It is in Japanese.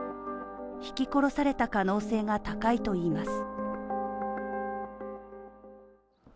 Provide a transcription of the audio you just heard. ひき殺された可能性が高いといいます。